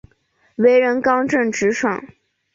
为人刚正直爽。